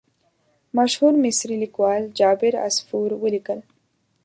مشهور مصري لیکوال جابر عصفور ولیکل.